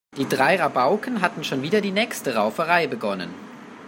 Die drei Rabauken hatten schon wieder die nächste Rauferei begonnen.